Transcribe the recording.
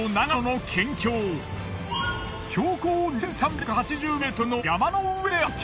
標高２，３８０ｍの山の上で発見。